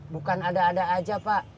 bukan ada ada aja pak